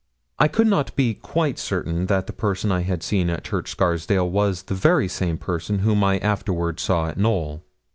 I could not be quite certain that the person I had seen at Church Scarsdale was the very same whom I afterwards saw at Knowl.